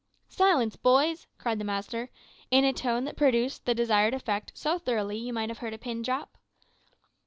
"`Silence, boys,' cried the master, in a tone that produced the desired effect so thoroughly that you might have heard a pin drop.